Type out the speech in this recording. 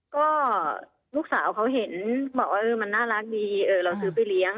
ก็ลูกสาวเขาเห็นบอกว่ามันน่ารักดีเราซื้อไปเลี้ยง